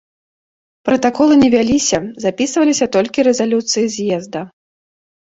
Пратаколы не вяліся, запісваліся толькі рэзалюцыі з'езда.